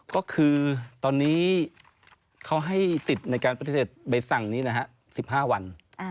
ก็คือตอนนี้เขาให้สิทธิ์ในการปฏิเสธใบสั่งนี้นะฮะ๑๕วัน